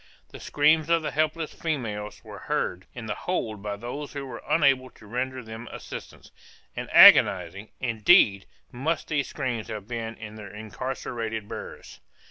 The screams of the helpless females were heard in the hold by those who were unable to render them assistance, and agonizing, indeed, must those screams have been to their incarcerated hearers!